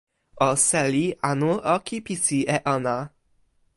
o seli anu o kipisi e ona?